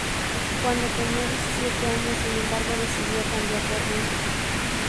Cuando tenía diecisiete años, sin embargo, decidió cambiar de rumbo.